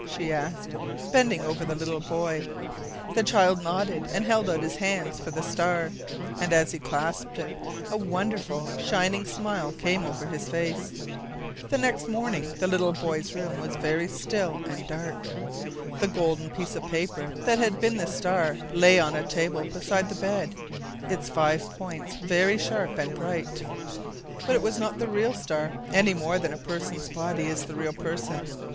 she asked, bending over the little boy. The child nodded and held out his hands for the star; and as he clasped it a wonderful, shining smile came over his face. The next morning the little boy's room was very still and dark. The golden piece of paper that had been the star lay on a table beside the bed, its five points very sharp and bright. But it was not the real star, any more than a person's body is the real person.